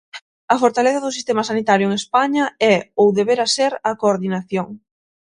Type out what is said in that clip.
A fortaleza do sistema sanitario en España é, ou debera ser, a coordinación.